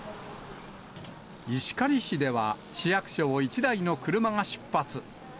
石狩市では市役所を１台の車が出発。